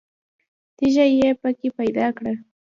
تیږه یې په کې پیدا کړه.